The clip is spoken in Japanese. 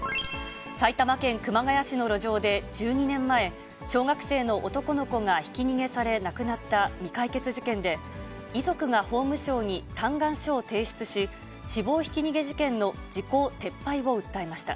埼玉県熊谷市の路上で、１２年前、小学生の男の子がひき逃げされ亡くなった未解決事件で、遺族が法務省に嘆願書を提出し、死亡ひき逃げ事件の時効撤廃を訴えました。